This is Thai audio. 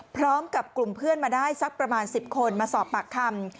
พร้อมกับกลุ่มเพื่อนมาได้สักประมาณ๑๐คนมาสอบปากคำ